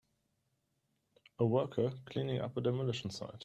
A worker cleaning up a demolition site.